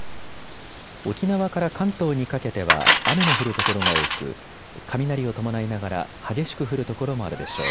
沖縄から関東にかけては雨の降る所が多く、雷を伴いながら激しく降る所もあるでしょう。